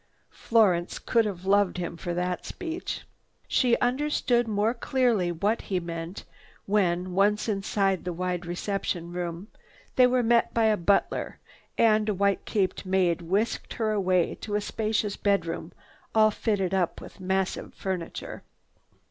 Florence could have loved him for that speech. She understood more clearly what he meant when, once inside the wide reception room, they were met by a butler and a white capped maid whisked her away to a spacious bedroom all fitted up with massive furniture.